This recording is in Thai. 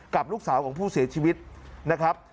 กับลูกสาวของผู้เสียชีวิตนะครับ